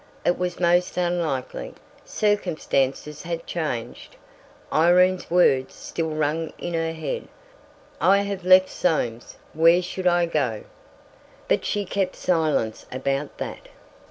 It was most unlikely; circumstances had changed! Irene's words still rang in her head: "I have left Soames. Where should I go?" But she kept silence about that.